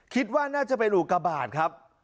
คิดว่าน่าจะเป็นอุกบาทครับ